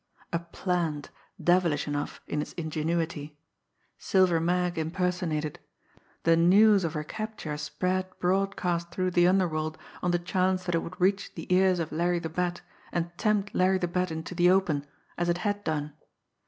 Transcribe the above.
A plant, devilish enough in its ingenuity Silver Mag impersonated the "news" of her capture spread broadcast through the underworld on the chance that it would reach the ears of Larry the Bat, and tempt Larry the Bat into the open as it had done!